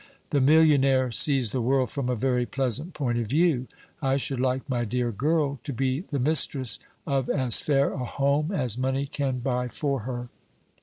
The millionaire sees the world from a very pleasant point of view. I should like my dear girl to be the mistress of as fair a home as money can buy for her."